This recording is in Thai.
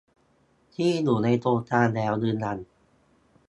ที่อยู่ในโครงการแล้วรึยัง